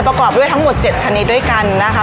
ประกอบด้วยทั้งหมด๗ชนิดด้วยกันนะคะ